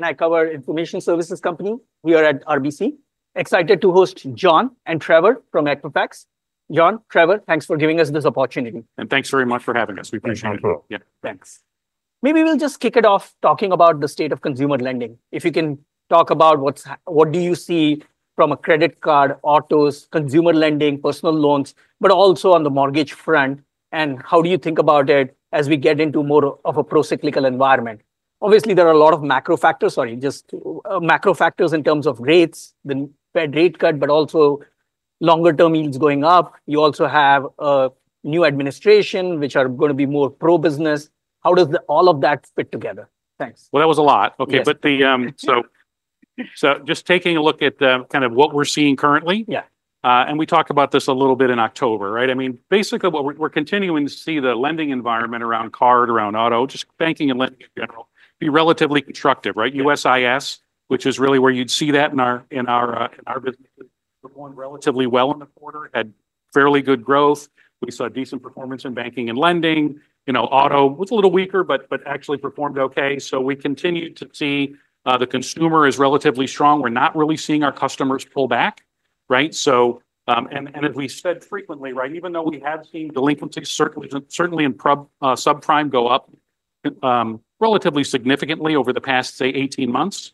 And I cover Information Services Company. We are at RBC. Excited to host John and Trevor from Equifax. John, Trevor, thanks for giving us this opportunity. Thanks very much for having us. We appreciate it. Thanks. Maybe we'll just kick it off talking about the state of consumer lending. If you can talk about what do you see from a credit card, autos, consumer lending, personal loans, but also on the mortgage front, and how do you think about it as we get into more of a procyclical environment? Obviously, there are a lot of macro factors, sorry, just macro factors in terms of rates, the Fed rate cut, but also longer-term yields going up. You also have a new administration, which are going to be more pro-business. How does all of that fit together? Thanks. That was a lot. Okay, but so just taking a look at kind of what we're seeing currently. Yeah. We talked about this a little bit in October, right? I mean, basically what we're continuing to see the lending environment around card, around auto, just banking and lending in general, be relatively constructive, right? USIS, which is really where you'd see that in our business, performed relatively well in the quarter, had fairly good growth. We saw decent performance in banking and lending. You know, auto was a little weaker, but actually performed okay. So we continue to see the consumer is relatively strong. We're not really seeing our customers pull back, right? So, and as we said frequently, right, even though we have seen delinquencies, certainly in subprime go up relatively significantly over the past, say, 18 months,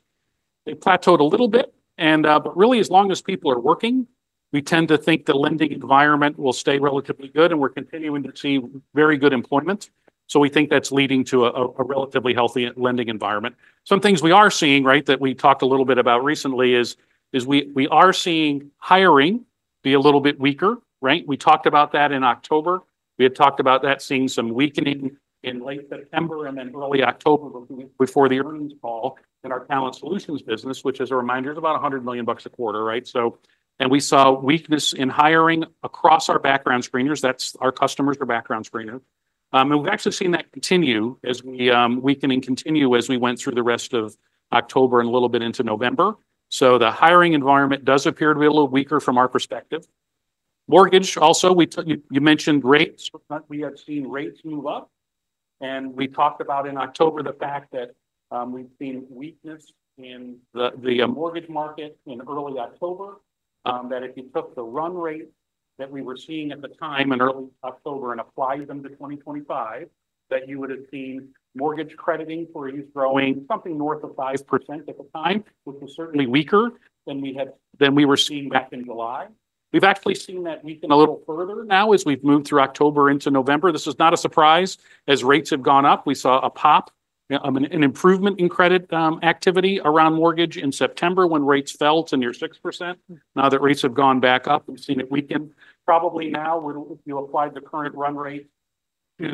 it plateaued a little bit. But really, as long as people are working, we tend to think the lending environment will stay relatively good, and we're continuing to see very good employment. So we think that's leading to a relatively healthy lending environment. Some things we are seeing, right, that we talked a little bit about recently is we are seeing hiring be a little bit weaker, right? We talked about that in October. We had talked about that seeing some weakening in late September and then early October before the earnings call in our Talent Solutions business, which, as a reminder, is about $100 million a quarter, right? So, and we saw weakness in hiring across our background screeners. That's our customers, our background screeners. And we've actually seen that continue as we weaken and continue as we went through the rest of October and a little bit into November. The hiring environment does appear to be a little weaker from our perspective. Mortgage also, you mentioned rates, but we have seen rates move up. We talked about in October the fact that we've seen weakness in the mortgage market in early October, that if you took the run rate that we were seeing at the time in early October and applied them to 2025, that you would have seen mortgage credit inquiries growing something north of 5% at the time, which was certainly weaker than we were seeing back in July. We've actually seen that weaken a little further now as we've moved through October into November. This is not a surprise as rates have gone up. We saw a pop, an improvement in credit activity around mortgage in September when rates fell to near 6%. Now that rates have gone back up, we've seen it weaken. Probably now, if you applied the current run rate to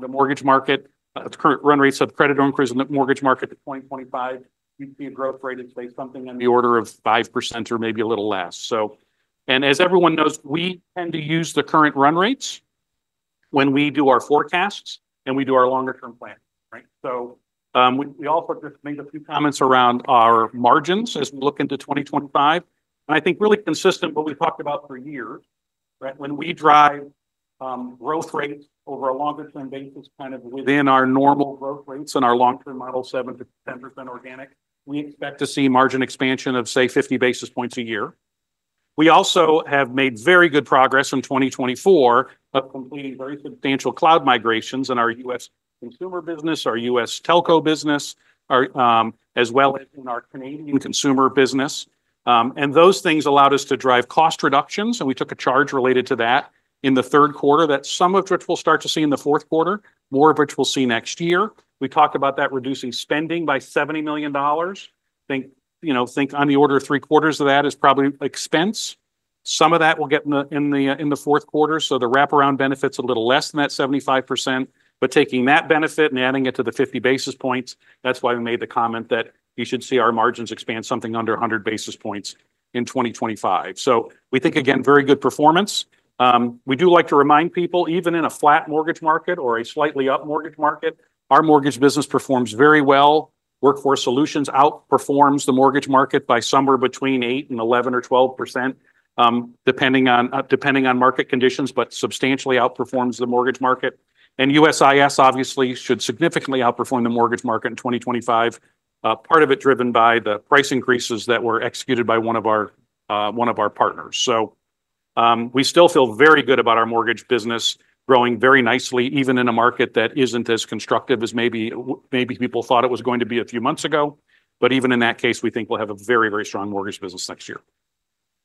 the mortgage market, the current run rates of credit on mortgage market to 2025, you'd see a growth rate of say something on the order of 5% or maybe a little less, so, and as everyone knows, we tend to use the current run rates when we do our forecasts and we do our longer-term plan, right, so we also just made a few comments around our margins as we look into 2025, and I think really consistent what we've talked about for years, right? When we drive growth rates over a longer-term basis, kind of within our normal growth rates and our long-term model 7%-10% organic, we expect to see margin expansion of say 50 basis points a year. We also have made very good progress in 2024 of completing very substantial cloud migrations in our U.S. consumer business, our U.S. telco business, as well as in our Canadian consumer business. And those things allowed us to drive cost reductions. And we took a charge related to that in the third quarter, that some of which we'll start to see in the fourth quarter, more of which we'll see next year. We talked about that reducing spending by $70 million. I think, you know, think on the order of three quarters of that is probably expense. Some of that will get in the fourth quarter. So the wraparound benefits a little less than that 75%, but taking that benefit and adding it to the 50 basis points, that's why we made the comment that you should see our margins expand something under 100 basis points in 2025. So we think, again, very good performance. We do like to remind people, even in a flat mortgage market or a slightly up mortgage market, our mortgage business performs very well. Workforce Solutions outperforms the mortgage market by somewhere between 8% and 11% or 12%, depending on market conditions, but substantially outperforms the mortgage market. And USIS obviously should significantly outperform the mortgage market in 2025, part of it driven by the price increases that were executed by one of our partners. So we still feel very good about our mortgage business growing very nicely, even in a market that isn't as constructive as maybe people thought it was going to be a few months ago. But even in that case, we think we'll have a very, very strong mortgage business next year.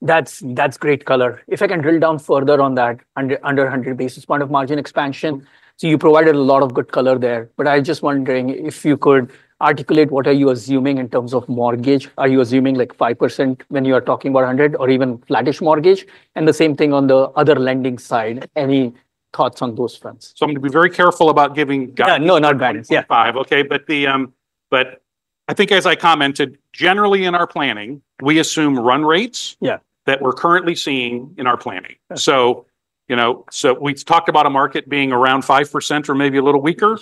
That's great color. If I can drill down further on that under 100 basis points of margin expansion. So you provided a lot of good color there, but I'm just wondering if you could articulate what are you assuming in terms of mortgage. Are you assuming like 5% when you are talking about 100 or even flatish mortgage? And the same thing on the other lending side, any thoughts on those funds? I'm going to be very careful about giving. No, not guidance. Yeah. Five, okay, but I think as I commented, generally in our planning, we assume run rates that we're currently seeing in our planning. So we talked about a market being around 5% or maybe a little weaker.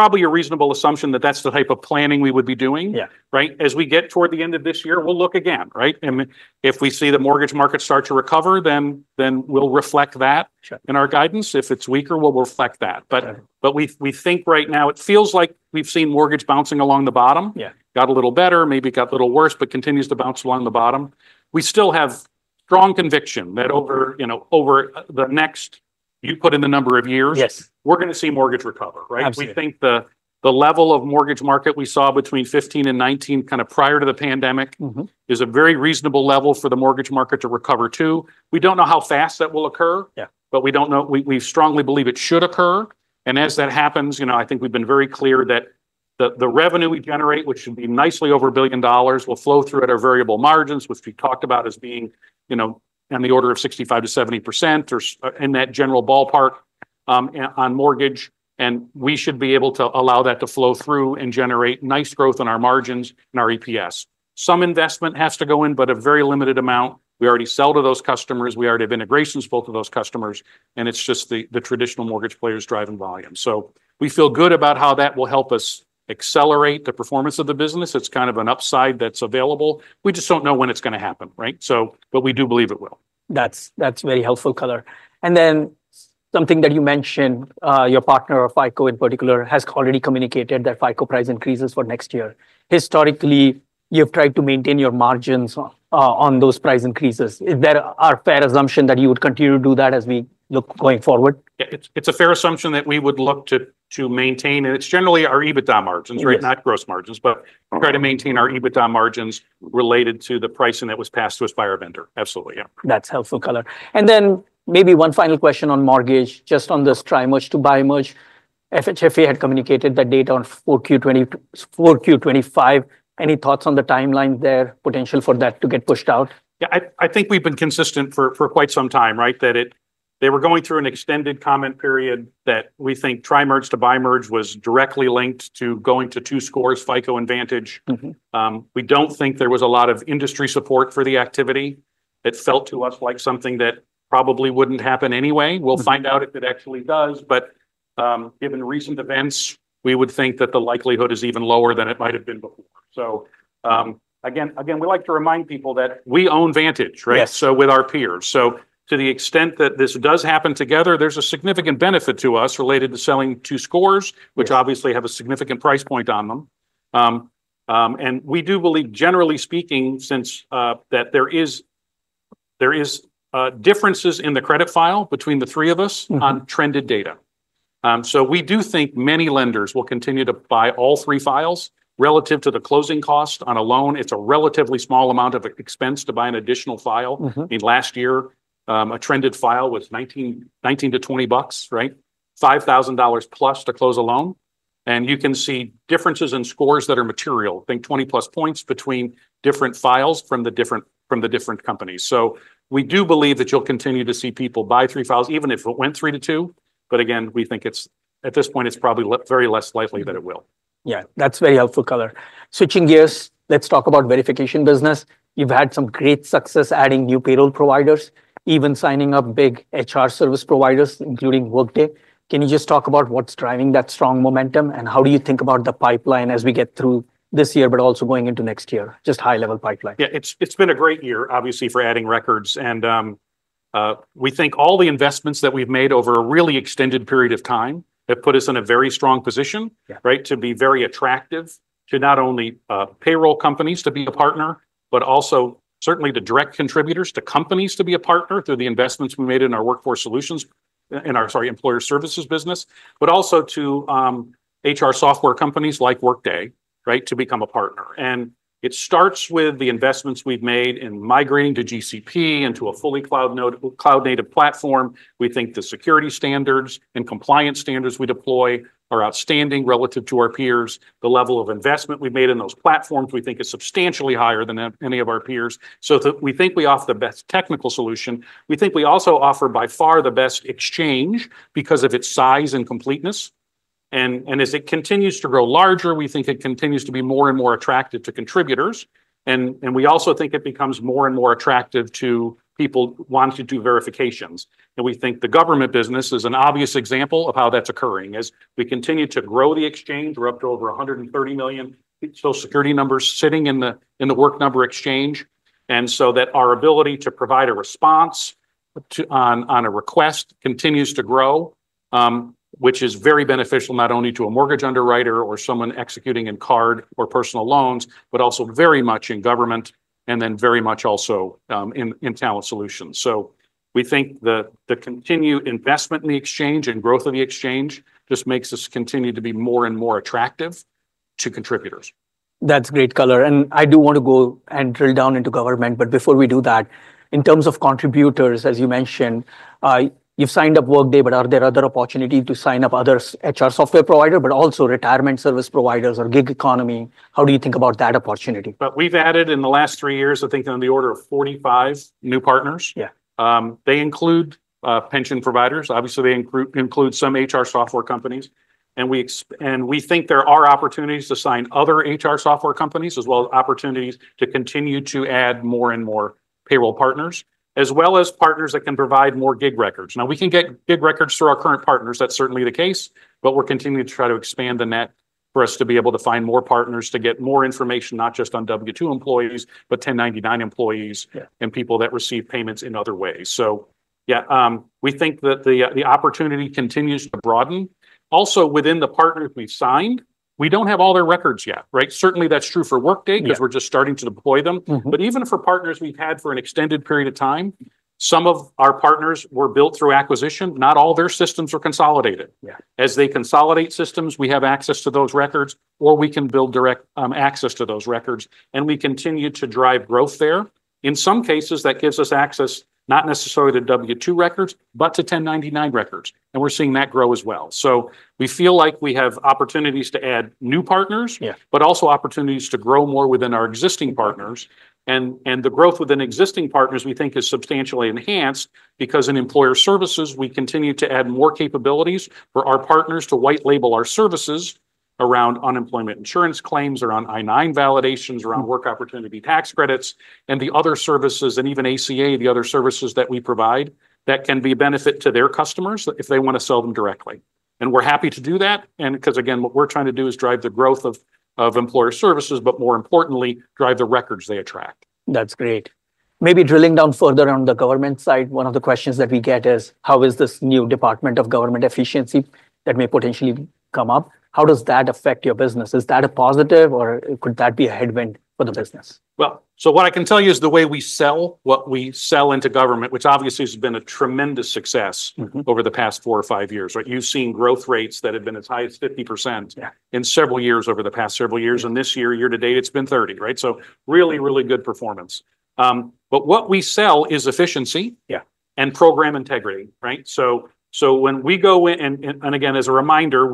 Probably a reasonable assumption that that's the type of planning we would be doing, right? As we get toward the end of this year, we'll look again, right? And if we see the mortgage market start to recover, then we'll reflect that in our guidance. If it's weaker, we'll reflect that, but we think right now it feels like we've seen mortgage bouncing along the bottom, got a little better, maybe got a little worse, but continues to bounce along the bottom. We still have strong conviction that over the next, you put in the number of years, we're going to see mortgage recover, right? We think the level of mortgage market we saw between 2015 and 2019, kind of prior to the pandemic, is a very reasonable level for the mortgage market to recover to. We don't know how fast that will occur, but we don't know. We strongly believe it should occur and as that happens, you know, I think we've been very clear that the revenue we generate, which should be nicely over $1 billion, will flow through at our variable margins, which we talked about as being on the order of 65%-70% or in that general ballpark on mortgage and we should be able to allow that to flow through and generate nice growth on our margins and our EPS. Some investment has to go in, but a very limited amount. We already sell to those customers. We already have integrations built to those customers. It's just the traditional mortgage players driving volume. We feel good about how that will help us accelerate the performance of the business. It's kind of an upside that's available. We just don't know when it's going to happen, right? We do believe it will. That's very helpful color, and then something that you mentioned, your partner of FICO in particular has already communicated that FICO price increases for next year. Historically, you've tried to maintain your margins on those price increases. Is there a fair assumption that you would continue to do that as we look going forward? Yeah, it's a fair assumption that we would look to maintain. And it's generally our EBITDA margins, right? Not gross margins, but try to maintain our EBITDA margins related to the pricing that was passed to us by our vendor. Absolutely, yeah. That's helpful color. And then maybe one final question on mortgage, just on this tri-merge to bi-merge. FHFA had communicated that data on 4Q25. Any thoughts on the timeline there, potential for that to get pushed out? Yeah, I think we've been consistent for quite some time, right? That they were going through an extended comment period that we think tri-merge to buy-merge was directly linked to going to two scores, FICO and VantageScore. We don't think there was a lot of industry support for the activity. It felt to us like something that probably wouldn't happen anyway. We'll find out if it actually does. But given recent events, we would think that the likelihood is even lower than it might have been before. So again, we like to remind people that we own VantageScore, right? So with our peers. So to the extent that this does happen together, there's a significant benefit to us related to selling two scores, which obviously have a significant price point on them. We do believe, generally speaking, that there are differences in the credit file between the three of us on trended data. So we do think many lenders will continue to buy all three files relative to the closing cost on a loan. It's a relatively small amount of expense to buy an additional file. I mean, last year, a trended file was $19-$20, right? $5,000 plus to close a loan. And you can see differences in scores that are material. I think 20 plus points between different files from the different companies. So we do believe that you'll continue to see people buy three files, even if it went three to two. But again, we think at this point, it's probably very less likely that it will. Yeah, that's very helpful color. Switching gears, let's talk about verification business. You've had some great success adding new payroll providers, even signing up big HR service providers, including Workday. Can you just talk about what's driving that strong momentum and how do you think about the pipeline as we get through this year, but also going into next year? Just high-level pipeline. Yeah, it's been a great year, obviously, for adding records. And we think all the investments that we've made over a really extended period of time have put us in a very strong position, right? To be very attractive to not only payroll companies to be a partner, but also certainly to direct contributors to companies to be a partner through the investments we made in our workforce solutions, in our, sorry, Employer Services business, but also to HR software companies like Workday, right? To become a partner. And it starts with the investments we've made in migrating to GCP into a fully cloud-native platform. We think the security standards and compliance standards we deploy are outstanding relative to our peers. The level of investment we've made in those platforms we think is substantially higher than any of our peers. So we think we offer the best technical solution. We think we also offer by far the best exchange because of its size and completeness. And as it continues to grow larger, we think it continues to be more and more attractive to contributors. And we also think it becomes more and more attractive to people wanting to do verifications. And we think the government business is an obvious example of how that's occurring as we continue to grow the exchange. We're up to over 130 million Social Security numbers sitting in the Work Number exchange. And so that our ability to provide a response on a request continues to grow, which is very beneficial not only to a mortgage underwriter or someone executing in card or personal loans, but also very much in government and then very much also in talent solutions. We think the continued investment in the exchange and growth of the exchange just makes us continue to be more and more attractive to contributors. That's great color, and I do want to go and drill down into government, but before we do that, in terms of contributors, as you mentioned, you've signed up Workday, but are there other opportunities to sign up other HR software providers, but also retirement service providers or gig economy? How do you think about that opportunity? We've added in the last three years, I think on the order of 45 new partners. They include pension providers. Obviously, they include some HR software companies. We think there are opportunities to sign other HR software companies as well as opportunities to continue to add more and more payroll partners, as well as partners that can provide more gig records. Now, we can get gig records through our current partners. That's certainly the case, but we're continuing to try to expand the net for us to be able to find more partners to get more information, not just on W-2 employees, but 1099 employees and people that receive payments in other ways. Yeah, we think that the opportunity continues to broaden. Also within the partners we signed, we don't have all their records yet, right? Certainly, that's true for Workday because we're just starting to deploy them. But even for partners we've had for an extended period of time, some of our partners were built through acquisition. Not all their systems are consolidated. As they consolidate systems, we have access to those records or we can build direct access to those records. And we continue to drive growth there. In some cases, that gives us access not necessarily to W-2 records, but to 1099 records. And we're seeing that grow as well. So we feel like we have opportunities to add new partners, but also opportunities to grow more within our existing partners. The growth within existing partners we think is substantially enhanced because in employer services, we continue to add more capabilities for our partners to white label our services around unemployment insurance claims or on I-9 validations around work opportunity tax credits and the other services and even ACA, the other services that we provide that can be a benefit to their customers if they want to sell them directly. We're happy to do that. Because again, what we're trying to do is drive the growth of employer services, but more importantly, drive the records they attract. That's great. Maybe drilling down further on the government side, one of the questions that we get is how is this new Department of Government Efficiency that may potentially come up? How does that affect your business? Is that a positive or could that be a headwind for the business? What I can tell you is the way we sell what we sell into government, which obviously has been a tremendous success over the past four or five years, right? You've seen growth rates that have been as high as 50% in several years over the past several years. And this year, year to date, it's been 30%, right? So really, really good performance. But what we sell is efficiency and program integrity, right? So when we go in, and again, as a reminder,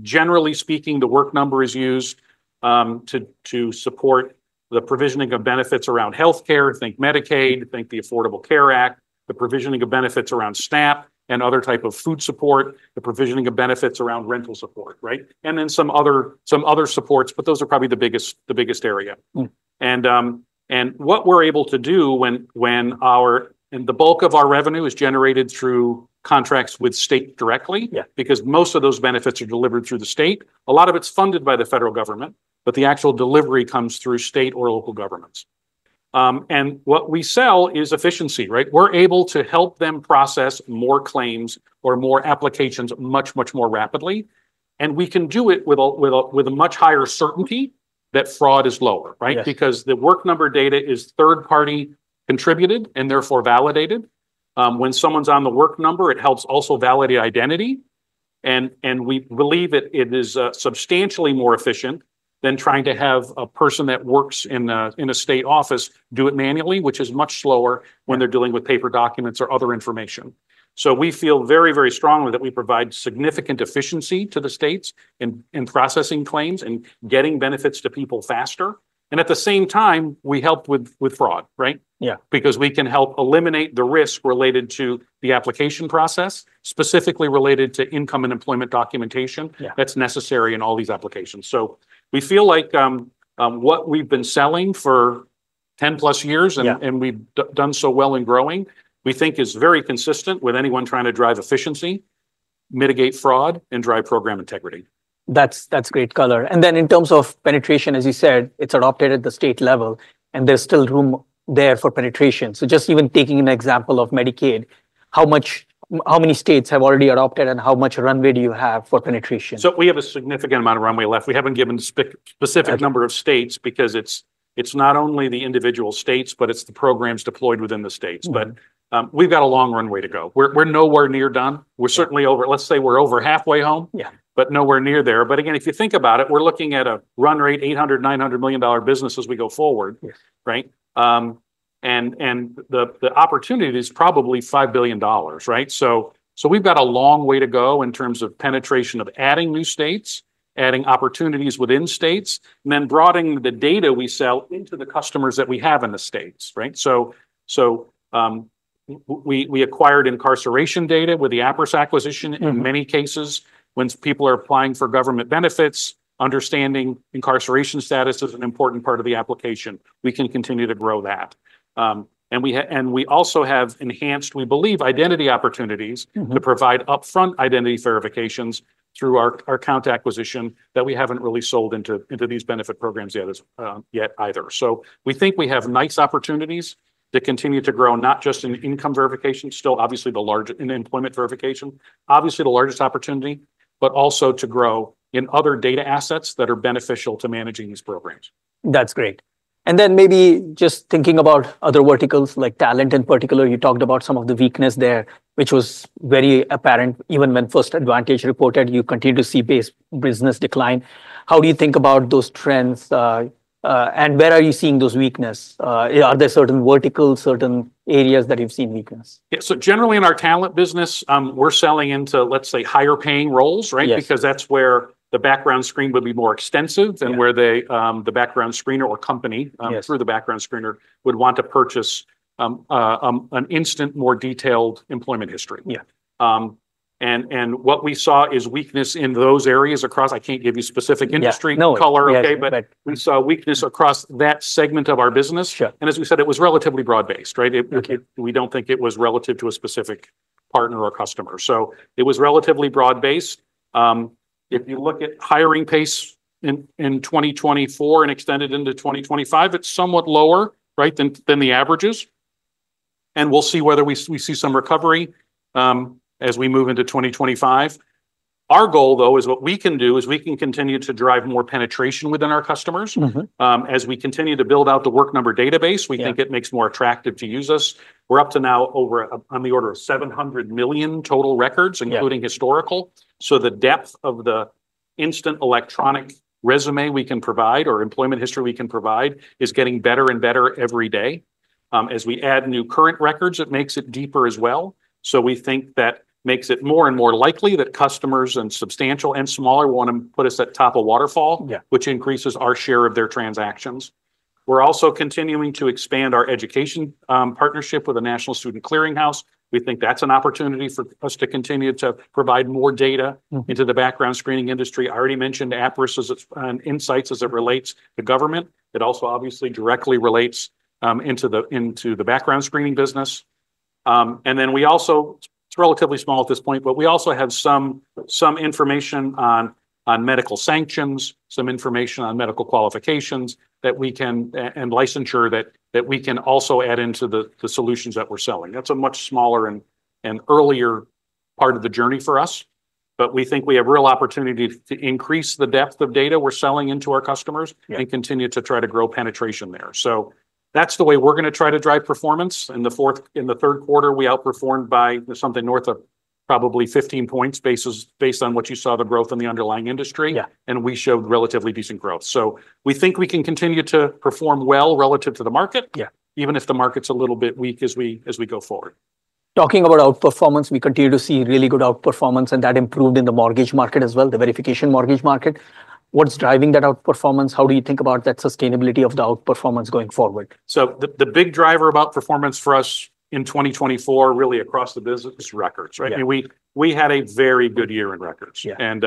generally speaking, The Work Number is used to support the provisioning of benefits around healthcare. Think Medicaid, think the Affordable Care Act, the provisioning of benefits around SNAP and other types of food support, the provisioning of benefits around rental support, right? And then some other supports, but those are probably the biggest area. What we're able to do when the bulk of our revenue is generated through contracts with states directly, because most of those benefits are delivered through the state, a lot of it's funded by the federal government, but the actual delivery comes through states or local governments. What we sell is efficiency, right? We're able to help them process more claims or more applications much, much more rapidly. We can do it with a much higher certainty that fraud is lower, right? Because The Work Number data is third-party contributed and therefore validated. When someone's on The Work Number, it helps also validate identity. We believe it is substantially more efficient than trying to have a person that works in a state office do it manually, which is much slower when they're dealing with paper documents or other information. So we feel very, very strongly that we provide significant efficiency to the states in processing claims and getting benefits to people faster. And at the same time, we help with fraud, right? Yeah, because we can help eliminate the risk related to the application process, specifically related to income and employment documentation that's necessary in all these applications. So we feel like what we've been selling for 10 plus years and we've done so well in growing, we think is very consistent with anyone trying to drive efficiency, mitigate fraud, and drive program integrity. That's great color. And then in terms of penetration, as you said, it's adopted at the state level and there's still room there for penetration. So just even taking an example of Medicaid, how many states have already adopted and how much runway do you have for penetration? So we have a significant amount of runway left. We haven't given a specific number of states because it's not only the individual states, but it's the programs deployed within the states. But we've got a long runway to go. We're nowhere near done. We're certainly over, let's say we're over halfway home, but nowhere near there. But again, if you think about it, we're looking at a run rate, $800-$900 million dollar business as we go forward, right? And the opportunity is probably $5 billion, right? So we've got a long way to go in terms of penetration of adding new states, adding opportunities within states, and then broadening the data we sell into the customers that we have in the states, right? So we acquired incarceration data with the Appriss acquisition in many cases. When people are applying for government benefits, understanding incarceration status is an important part of the application. We can continue to grow that, and we also have enhanced, we believe, identity opportunities to provide upfront identity verifications through our account acquisition that we haven't really sold into these benefit programs yet either, so we think we have nice opportunities to continue to grow, not just in income verification, still obviously the largest in employment verification, obviously the largest opportunity, but also to grow in other data assets that are beneficial to managing these programs. That's great, and then maybe just thinking about other verticals like talent in particular, you talked about some of the weakness there, which was very apparent even when First Advantage reported. You continue to see business decline. How do you think about those trends, and where are you seeing those weaknesses? Are there certain verticals, certain areas that you've seen weakness? Yeah, so generally in our talent business, we're selling into, let's say, higher paying roles, right? Because that's where the background screen would be more extensive and where the background screener or company through the background screener would want to purchase an instant more detailed employment history. And what we saw is weakness in those areas across, I can't give you specific industry color, okay? But we saw weakness across that segment of our business. And as we said, it was relatively broad-based, right? We don't think it was relative to a specific partner or customer. So it was relatively broad-based. If you look at hiring pace in 2024 and extended into 2025, it's somewhat lower, right? Than the averages. And we'll see whether we see some recovery as we move into 2025. Our goal, though, is what we can do is we can continue to drive more penetration within our customers. As we continue to build out The Work Number database, we think it makes more attractive to use us. We're up to now over on the order of 700 million total records, including historical. So the depth of the instant electronic resume we can provide or employment history we can provide is getting better and better every day. As we add new current records, it makes it deeper as well. So we think that makes it more and more likely that customers and substantial and smaller want to put us at top of waterfall, which increases our share of their transactions. We're also continuing to expand our education partnership with the National Student Clearinghouse. We think that's an opportunity for us to continue to provide more data into the background screening industry. I already mentioned Appriss Insights as it relates to government. It also obviously directly relates into the background screening business. And then we also, it's relatively small at this point, but we also have some information on medical sanctions, some information on medical qualifications that we can and licensure that we can also add into the solutions that we're selling. That's a much smaller and earlier part of the journey for us. But we think we have real opportunity to increase the depth of data we're selling into our customers and continue to try to grow penetration there. So that's the way we're going to try to drive performance. In the third quarter, we outperformed by something north of probably 15 points based on what you saw, the growth in the underlying industry, and we showed relatively decent growth, so we think we can continue to perform well relative to the market, even if the market's a little bit weak as we go forward. Talking about outperformance, we continue to see really good outperformance and that improved in the mortgage market as well, the verification mortgage market. What's driving that outperformance? How do you think about that sustainability of the outperformance going forward? So the big driver of outperformance for us in 2024, really across the business, is records, right? We had a very good year in records. And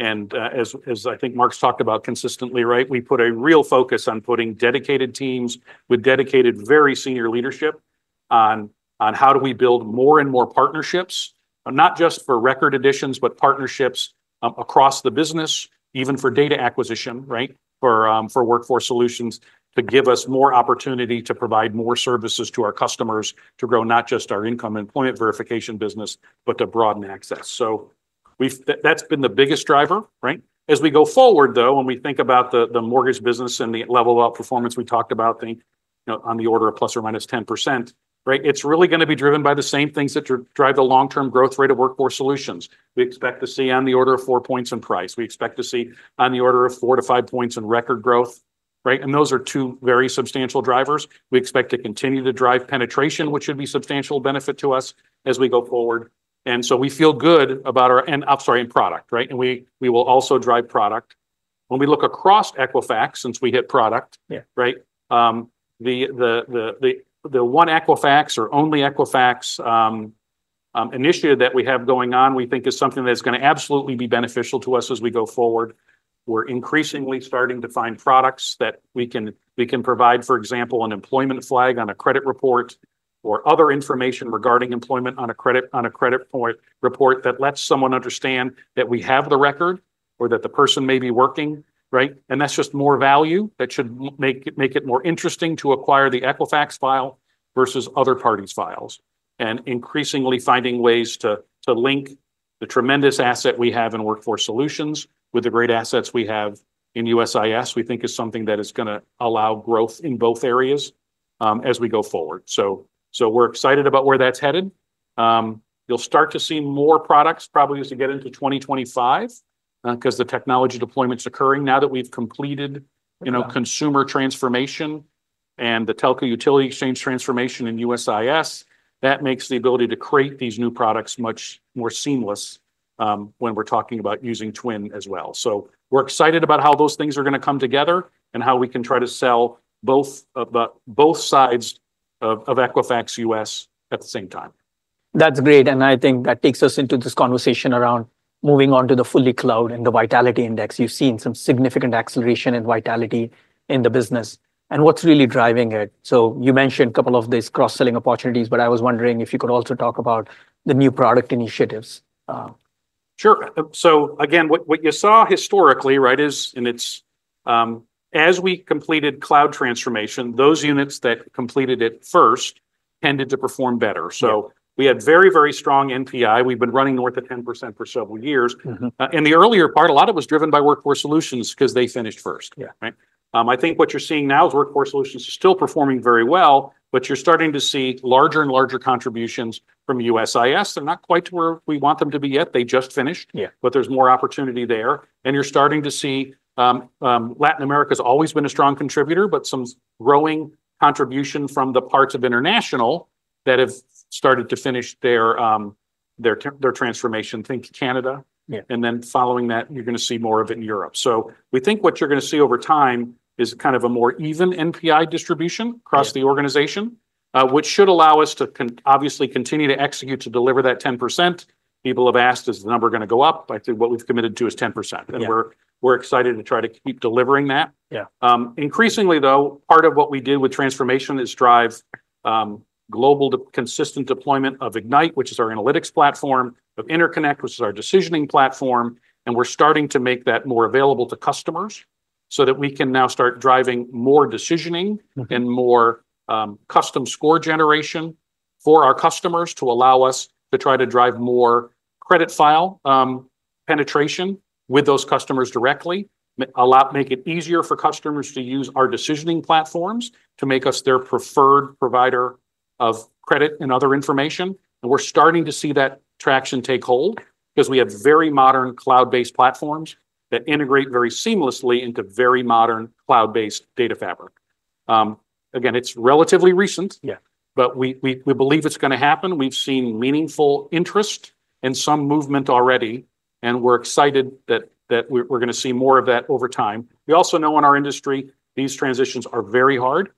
as I think Mark's talked about consistently, right, we put a real focus on putting dedicated teams with dedicated, very senior leadership on how do we build more and more partnerships, not just for record editions, but partnerships across the business, even for data acquisition, right? For Workforce Solutions to give us more opportunity to provide more services to our customers to grow not just our income employment verification business, but to broaden access. So that's been the biggest driver, right? As we go forward, though, when we think about the mortgage business and the level of outperformance we talked about, think on the order of plus or minus 10%, right? It's really going to be driven by the same things that drive the long-term growth rate of workforce solutions. We expect to see on the order of four points in price. We expect to see on the order of four to five points in record growth, right? And those are two very substantial drivers. We expect to continue to drive penetration, which should be a substantial benefit to us as we go forward. And so we feel good about our, and I'm sorry, and product, right? And we will also drive product. When we look across Equifax, since we hit product, right? The One Equifax or Only Equifax initiative that we have going on, we think is something that's going to absolutely be beneficial to us as we go forward. We're increasingly starting to find products that we can provide, for example, an employment flag on a credit report or other information regarding employment on a credit report that lets someone understand that we have the record or that the person may be working, right? And that's just more value that should make it more interesting to acquire the Equifax file versus other parties' files. And increasingly finding ways to link the tremendous asset we have in Workforce Solutions with the great assets we have in USIS, we think is something that is going to allow growth in both areas as we go forward. So we're excited about where that's headed. You'll start to see more products probably as we get into 2025 because the technology deployment's occurring. Now that we've completed consumer transformation and the telco utility exchange transformation in USIS, that makes the ability to create these new products much more seamless when we're talking about using TWN as well, so we're excited about how those things are going to come together and how we can try to sell both sides of Equifax US at the same time. That's great, and I think that takes us into this conversation around moving on to the full cloud and the Vitality Index. You've seen some significant acceleration in vitality in the business and what's really driving it. You mentioned a couple of these cross-selling opportunities, but I was wondering if you could also talk about the new product initiatives. Sure. So again, what you saw historically, right, is as we completed cloud transformation, those units that completed it first tended to perform better. So we had very, very strong NPI. We've been running north of 10% for several years. In the earlier part, a lot of it was driven by Workforce Solutions because they finished first, right? I think what you're seeing now is Workforce Solutions are still performing very well, but you're starting to see larger and larger contributions from USIS. They're not quite to where we want them to be yet. They just finished, but there's more opportunity there. And you're starting to see Latin America has always been a strong contributor, but some growing contribution from the parts of international that have started to finish their transformation. Think Canada. And then following that, you're going to see more of it in Europe. So we think what you're going to see over time is kind of a more even NPI distribution across the organization, which should allow us to obviously continue to execute to deliver that 10%. People have asked, is the number going to go up? I think what we've committed to is 10%. And we're excited to try to keep delivering that. Increasingly, though, part of what we did with transformation is drive global consistent deployment of Ignite, which is our analytics platform, of Interconnect, which is our decisioning platform. We're starting to make that more available to customers so that we can now start driving more decisioning and more custom score generation for our customers to allow us to try to drive more credit file penetration with those customers directly, make it easier for customers to use our decisioning platforms to make us their preferred provider of credit and other information. We're starting to see that traction take hold because we have very modern cloud-based platforms that integrate very seamlessly into very modern cloud-based data fabric. Again, it's relatively recent, but we believe it's going to happen. We've seen meaningful interest and some movement already, and we're excited that we're going to see more of that over time. We also know in our industry, these transitions are very hard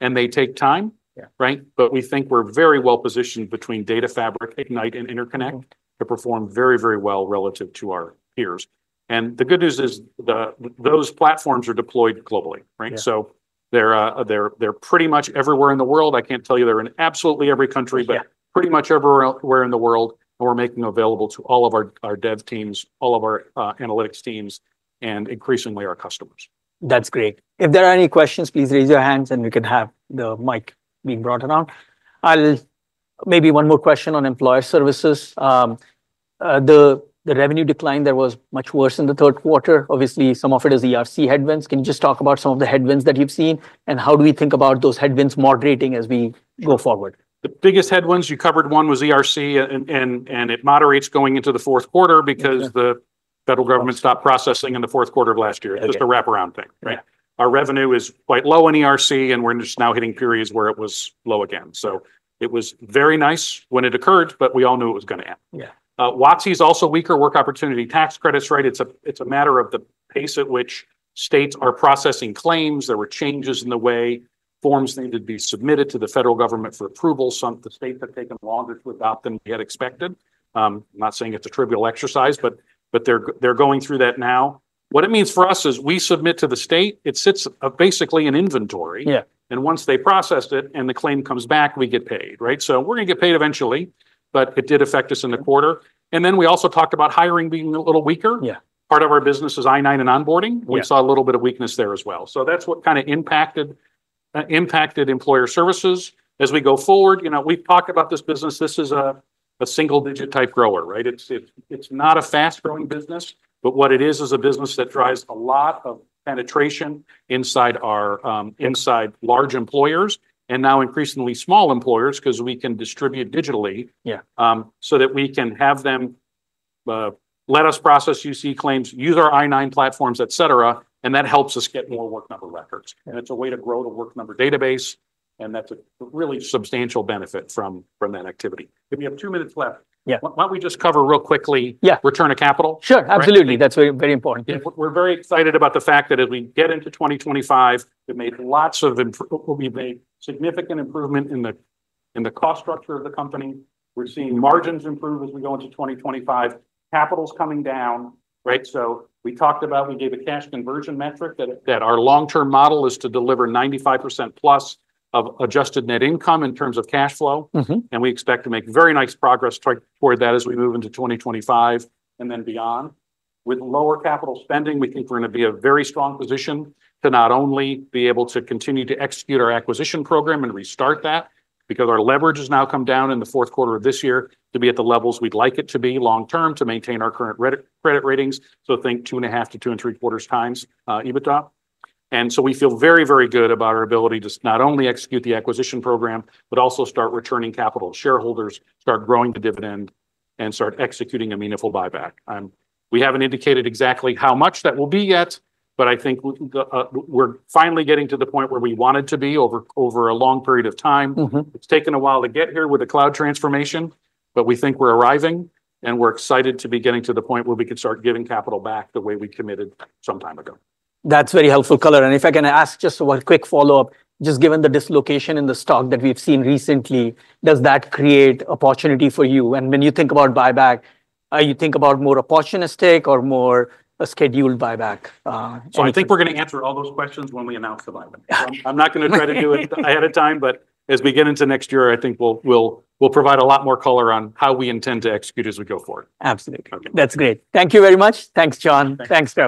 and they take time, right? But we think we're very well positioned between data fabric, Ignite, and Interconnect to perform very, very well relative to our peers. And the good news is those platforms are deployed globally, right? So they're pretty much everywhere in the world. I can't tell you they're in absolutely every country, but pretty much everywhere in the world, and we're making available to all of our dev teams, all of our analytics teams, and increasingly our customers. That's great. If there are any questions, please raise your hands and we can have the mic being brought around. Maybe one more question on employer services. The revenue decline that was much worse in the third quarter, obviously some of it is ERC headwinds. Can you just talk about some of the headwinds that you've seen and how do we think about those headwinds moderating as we go forward? The biggest headwinds you covered, one was ERC, and it moderates going into the fourth quarter because the federal government stopped processing in the fourth quarter of last year, just a wraparound thing, right? Our revenue is quite low in ERC, and we're just now hitting periods where it was low again. So it was very nice when it occurred, but we all knew it was going to happen. WOTC is also weaker work opportunity tax credits, right? It's a matter of the pace at which states are processing claims. There were changes in the way forms needed to be submitted to the federal government for approval. Some of the states have taken longer to adopt than we had expected. I'm not saying it's a trivial exercise, but they're going through that now. What it means for us is we submit to the state. It sits basically in inventory. And once they process it and the claim comes back, we get paid, right? So we're going to get paid eventually, but it did affect us in the quarter. And then we also talked about hiring being a little weaker. Part of our business is I-9 and onboarding. We saw a little bit of weakness there as well. So that's what kind of impacted employer services as we go forward. We've talked about this business. This is a single-digit type grower, right? It's not a fast-growing business, but what it is is a business that drives a lot of penetration inside large employers and now increasingly small employers because we can distribute digitally so that we can have them let us process UC claims, use our I-9 platforms, etc. And that helps us get more Work Number records. And it's a way to grow the Work Number database. That's a really substantial benefit from that activity. If we have two minutes left, why don't we just cover real quickly return to capital? Sure. Absolutely. That's very important. We're very excited about the fact that as we get into 2025, we've made lots of significant improvement in the cost structure of the company. We're seeing margins improve as we go into 2025. Capital's coming down, right? So we talked about, we gave a cash conversion metric that our long-term model is to deliver 95% plus of adjusted net income in terms of cash flow. And we expect to make very nice progress toward that as we move into 2025 and then beyond. With lower capital spending, we think we're going to be in a very strong position to not only be able to continue to execute our acquisition program and restart that because our leverage has now come down in the fourth quarter of this year to be at the levels we'd like it to be long-term to maintain our current credit ratings. Think 2.5-2.75 times EBITDA. We feel very, very good about our ability to not only execute the acquisition program, but also start returning capital to shareholders, start growing the dividend, and start executing a meaningful buyback. We haven't indicated exactly how much that will be yet, but I think we're finally getting to the point where we wanted to be over a long period of time. It's taken a while to get here with the cloud transformation, but we think we're arriving and we're excited to be getting to the point where we can start giving capital back the way we committed some time ago. That's very helpful, caller. And if I can ask just one quick follow-up, just given the dislocation in the stock that we've seen recently, does that create opportunity for you? And when you think about buyback, are you thinking about more opportunistic or more a scheduled buyback? So I think we're going to answer all those questions when we announce the buyback. I'm not going to try to do it ahead of time, but as we get into next year, I think we'll provide a lot more color on how we intend to execute as we go forward. Absolutely. That's great. Thank you very much. Thanks, John. Thanks for.